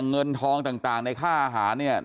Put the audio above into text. เงินทองต่างในค่าอาหารเนี่ย